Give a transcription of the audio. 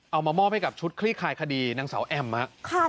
เอามาหม้อไปกับชุดคลี่คายคดีนางเสาแอวม่ะ